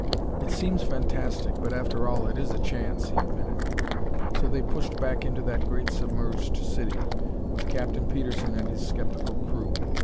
"It seems fantastic, but after all it is a chance," he admitted. So they pushed back into that great submerged city, with Captain Petersen and his skeptical crew.